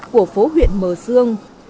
của phố huyện mờ sương